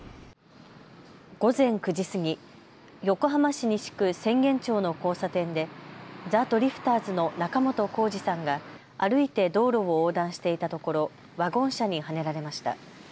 午前９時過ぎ、横浜市西区浅間町の交差点でザ・ドリフターズの仲本工事さんが歩いて道路を横断していたところワゴン車にはねられました。